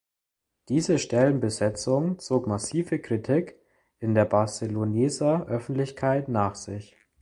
Diese Stellenbesetzung zog massive Kritik in der Barceloneser Öffentlichkeit nach sich.